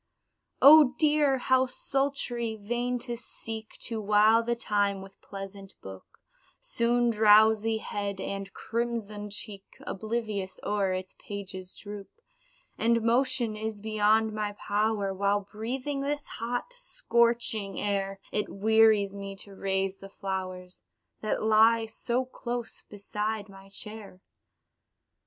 Oh dear! how sultry! vain to seek To while the time with pleasant book, Soon drowsy head and crimsoned cheek Oblivious o'er its pages droop And motion is beyond my power, While breathing this hot, scorching air, It wearies me to raise the flowers, That lie so close beside my chair.